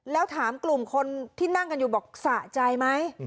แล้วถามกลุ่มคนที่นั่งกันอยู่บอกสะใจไหม